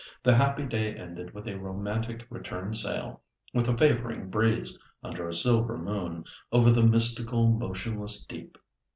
The happy day ended with a romantic return sail, with a favouring breeze, under a silver moon, over the mystical, motionless deep.